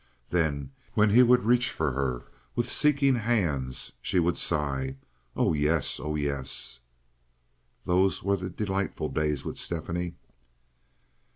Then, when he would reach for her with seeking hands, she would sigh, "Oh yes, oh yes!" Those were delightful days with Stephanie.